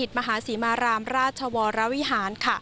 มหาศรีมารามราชวรวิหาร